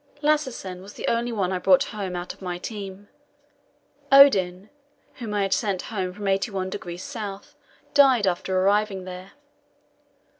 Lassesen was the only one I brought home out of my team. Odin, whom I had sent home from 81° S., died after arriving there.